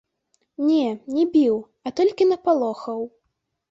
Не, не біў, а толькі напалохаў.